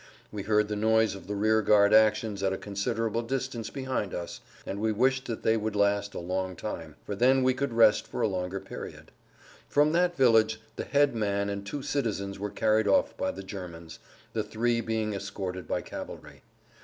We heard the noise of the rear guard actions at a considerable distance behind us, and we wished that they would last a long time, for then we could rest for a longer period. From that village the head man and two citizens were carried off by the Germans, the three being escorted by cavalry.